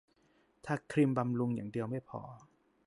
ทาครีมบำรุงอย่างเดียวไม่พอ